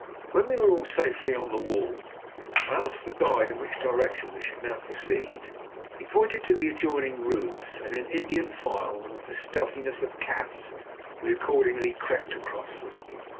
When we were all safely on the wall, I asked the guide in which direction we should now proceed; he pointed to the adjoining roofs, and in Indian file, and with the stealthiness of cats, we accordingly crept across them.